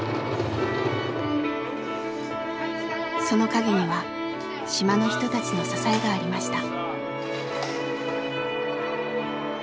その陰には島の人たちの支えがありました。